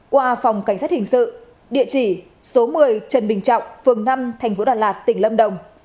qua phòng cảnh sát hình sự địa chỉ số một mươi trần bình trọng phường năm thành phố đà lạt tỉnh lâm đồng